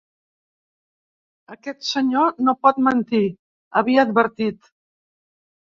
Aquest senyor no pot mentir, havia advertit.